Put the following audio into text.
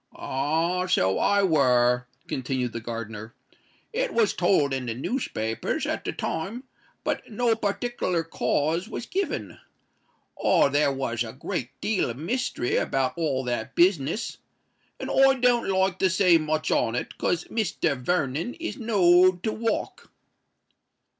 "Ah! so I were," continued the gardener. "It was told in the newspapers at the time; but no partickler cause was given. Oh! there was a great deal of mystery about all that business; and I don't like to say much on it, 'cos Mr. Vernon is knowed to walk."